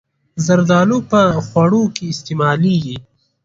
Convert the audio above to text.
زردالو په خوړو کې استعمالېږي.